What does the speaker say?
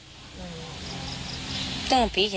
กรณีแห่งทุกละที